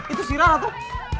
itu si rara tuh